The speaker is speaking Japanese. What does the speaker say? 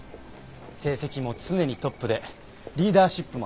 成績も常にトップでリーダーシップもあった。